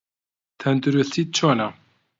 تەندروستیت چۆنە؟